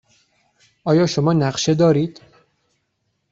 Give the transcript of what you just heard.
آیا شما نقشه دارید؟